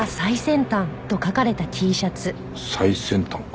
「最先端」か。